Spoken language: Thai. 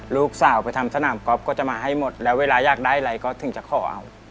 ลูกสาวไปทำสนามก๊อฟก็จะมาให้หมดแล้วเวลาอยากได้อะไรก็ถึงจะขอเอา